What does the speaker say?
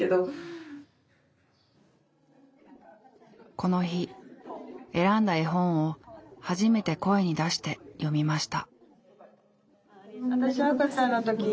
この日選んだ絵本を初めて声に出して読みました。